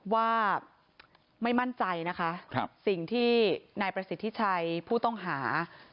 ว่าไม่มั่นใจนะคะสิ่งที่นายประสิทธิชัยผู้ต้องหา